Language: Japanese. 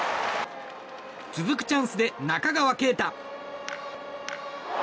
続くチャンスで中川圭太。